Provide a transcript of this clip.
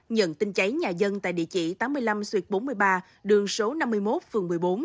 nhận tin cháy nhà dân tại địa chỉ tám mươi năm xuyệt bốn mươi ba đường số năm mươi một phường một mươi bốn